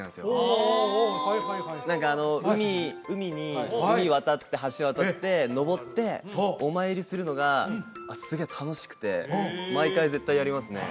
はいはいはい何か海渡って橋渡って上ってお参りするのがすげえ楽しくて毎回絶対やりますね